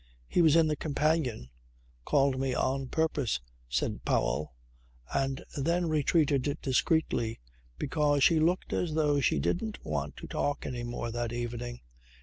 "He was in the companion. Called me on purpose," said Powell, and then retreated discreetly, because she looked as though she didn't want to talk any more that evening.